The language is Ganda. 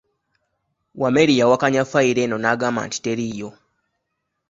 Wameli yawakanya ffayiro eno n’agamba nti teriiyo.